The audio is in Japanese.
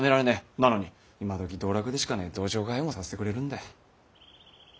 なのに今どき道楽でしかねえ道場通いもさせてくれるんで。